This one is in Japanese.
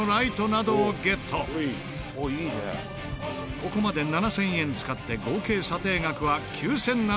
ここまで７０００円使って合計査定額は９７００円。